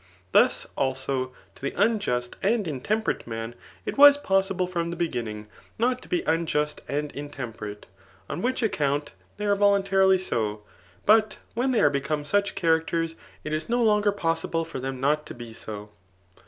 Thus, also, to the unjust and intmx»> perate man, it was poss3>le, from the beginning, not to be unjust and intemperate ; on which account they are volahtarily so ; but when they are become sudi charac ters, it is no longer poaible for them not to be so.